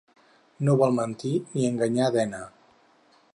No vol mentir ni enganyar Dena.